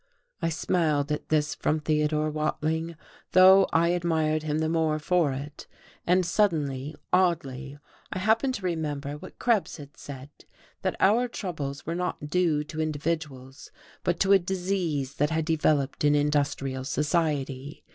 I smiled at this from Theodore Watling, though I admired him the more for it. And suddenly, oddly, I happened to remember what Krebs had said, that our troubles were not due to individuals, but to a disease that had developed in industrial society.